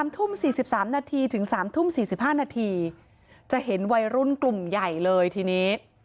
๓ทุ่ม๔๓นาทีถึง๓ทุ่ม๔๕นาทีจะเห็นวัยรุ่นกลุ่มใหญ่เลยทีนี้